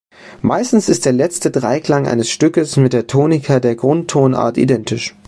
Meistens ist der letzte Dreiklang eines Stückes mit der Tonika der Grundtonart identisch.